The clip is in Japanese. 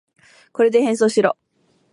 これで変装しろ。